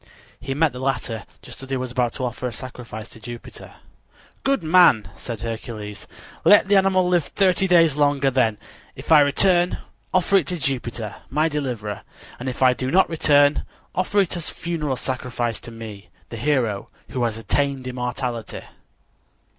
He met the latter just as he was about to offer a sacrifice to Jupiter. "Good man," said Hercules, "let the animal live thirty days longer; then, if I return, offer it to Jupiter, my deliverer, and if I do not return, offer it as a funeral sacrifice to me, the hero who has attained immortality."